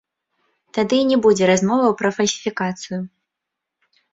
Тады і не будзе размоваў пра фальсіфікацыю.